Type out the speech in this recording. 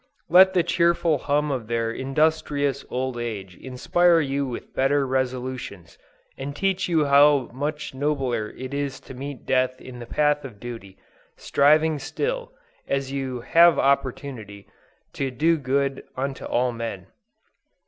Let the cheerful hum of their industrious old age inspire you with better resolutions, and teach you how much nobler it is to meet death in the path of duty, striving still, as you "have opportunity," to "do good unto all men."